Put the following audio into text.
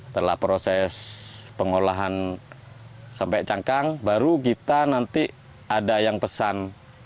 setelah proses pengolahan sampai cangkang baru kita nanti ada yang pesan